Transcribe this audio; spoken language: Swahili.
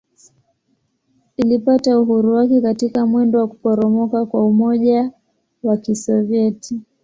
Ilipata uhuru wake katika mwendo wa kuporomoka kwa Umoja wa Kisovyeti.